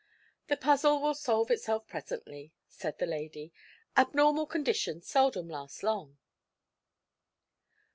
"The puzzle will solve itself presently," said the lady. "Abnormal conditions seldom last long."